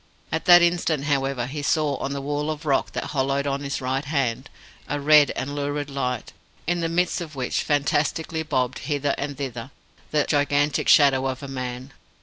At that instant, however, he saw on the wall of rock that hollowed on his right hand, a red and lurid light, in the midst of which fantastically bobbed hither and thither the gigantic shadow of a man.